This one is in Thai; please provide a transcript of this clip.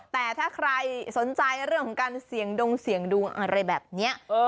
แต่ถ้าใครสนใจเรื่องของการเสี่ยงดงเสี่ยงดวงอะไรแบบนี้